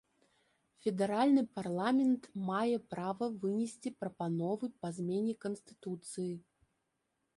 Федэральны парламент мае права вынесці прапановы па змене канстытуцыі.